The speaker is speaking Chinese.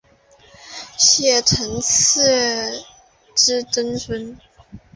谢承锡之曾孙。